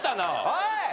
おい！